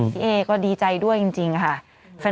เอก็ดีใจด้วยจริงค่ะ